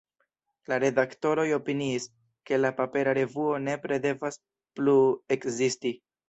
La redaktoroj opiniis, ke la papera revuo nepre devas plu ekzisti.